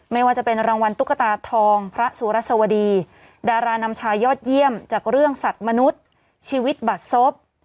ไม่ว่าจะเป็นรางวัลตุ๊กตาทองพระสุรสวดีดารานำชายยอดเยี่ยมจากเรื่องสัตว์มนุษย์ชีวิตบัตรศพ